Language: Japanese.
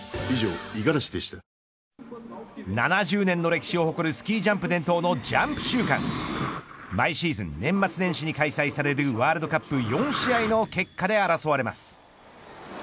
７０年の歴史を誇るスキージャンプ伝統のジャンプ週間毎シーズン年末年始に開催されるワールドカップ４試合の結果で争われます。